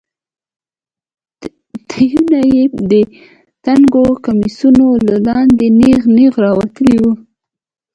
تيونه يې د تنګو کميسونو له لاندې نېغ نېغ راوتلي وو.